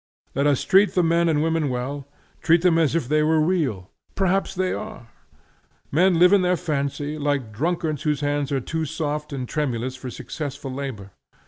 Let us treat the men and women well; treat them as if they were real; perhaps they are. Men live in their fancy, like drunkards whose hands are too soft and tremulous for successful labor.